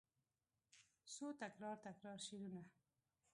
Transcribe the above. څو تکرار، تکرار شعرونه